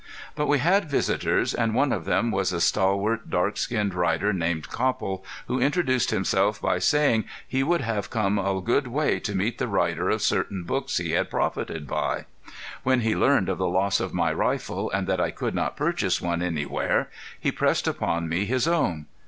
But we had visitors, and one of them was a stalwart, dark skinned rider named Copple, who introduced himself by saying he would have come a good way to meet the writer of certain books he had profited by. When he learned of the loss of my rifle and that I could not purchase one anywhere he pressed upon me his own.